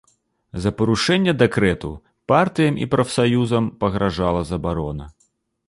За парушэнне дэкрэту партыям і прафсаюзам пагражала забарона.